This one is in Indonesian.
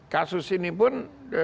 kasus ini pun